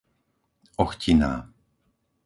Ochtiná